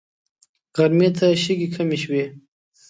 غرمې ته شګې کمې شوې.